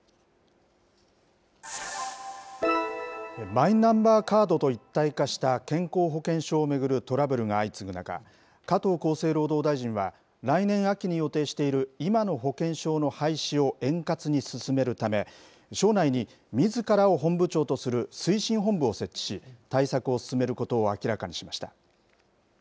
マイナンバーカードと一体化した健康保険証を巡るトラブルが相次ぐ中、加藤厚生労働大臣は来年秋に予定している今の保険証の廃止を円滑に進めるため、省内に、みずからを本部長とする推進本部を設置し、対策を進めることを明らかにしました。